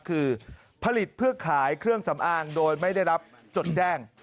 คือผลิตเพื่อขายเครื่องสำอางโดยไม่ได้รับจดแจ้ง